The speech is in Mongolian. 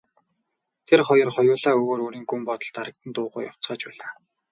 Тэр хоёр хоёулаа өөр өөрийн гүн бодолд дарагдан дуугүй явцгааж байлаа.